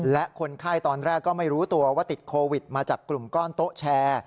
และคนไข้ตอนแรกก็ไม่รู้ตัวว่าติดโควิดมาจากกลุ่มก้อนโต๊ะแชร์